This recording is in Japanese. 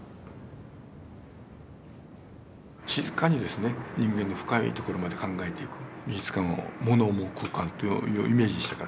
静かに人間の深いところまで考えていく美術館をもの思う空間というイメージしたからね。